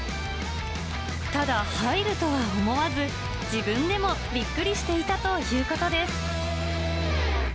ただ、入るとは思わず、自分でもびっくりしていたということです。